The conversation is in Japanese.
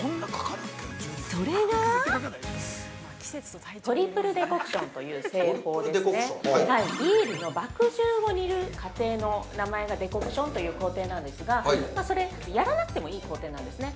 それが◆トリプルデコクションという製法で、ビールの麦汁を煮る過程の名前がデコクションという工程なんですが、それはやらなくてもいい工程なんですね。